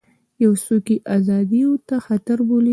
یو څوک یې ازادیو ته خطر بولي.